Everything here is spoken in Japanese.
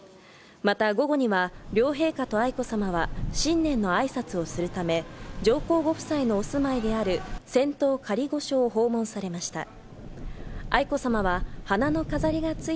また午後には両陛下と愛子さまは新年の挨拶をするため、上皇ご夫妻のお住まいである仙洞仮御所を訪問されました。